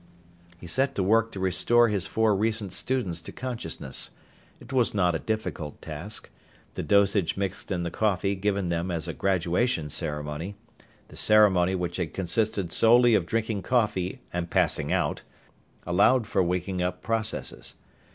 He set to work to restore his four recent students to consciousness. It was not a difficult task. The dosage mixed in the coffee given them as a graduation ceremony the ceremony which had consisted solely of drinking coffee and passing out allowed for waking up processes.